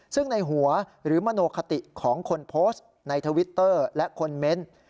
ซึ่งในหัวหรือมโนคติของคนโพสต์ในทวิตเตอร์และคอนเมนต์